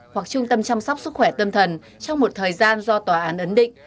hoặc trung tâm chăm sóc sức khỏe tâm thần trong một thời gian do tòa án ấn định